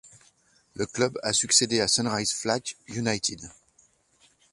Le club a succédé au Sunrise Flacq United.